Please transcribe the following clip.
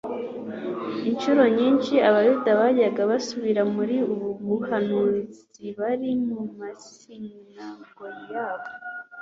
Inshuro nyinshi Abayuda bajyaga basubira muri ubu buhanuzibari mu masinagogi yabo ;